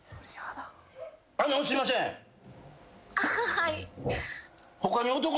はい。